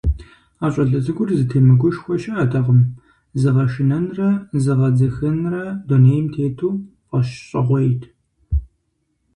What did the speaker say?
А щӀалэ цӀыкӀур зытемыгушхуэ щыӀэтэкъым, зыгъэшынэнрэ зыгъэдзыхэнрэ дунейм тету фӀэщщӀыгъуейт.